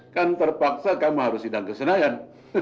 kan terpaksa kamu harus hidang kesenayan